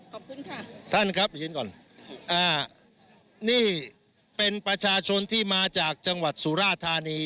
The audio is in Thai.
ขอบคุณค่ะท่านครับเห็นก่อนอ่านี่เป็นประชาชนที่มาจากจังหวัดสุราธานี